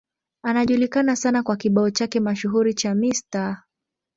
Anajulikana sana kwa kibao chake mashuhuri cha Mr.